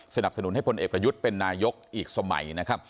สนุนที่จะชอบผลเอกระยุทธ์เป็นนายกอีกสมัย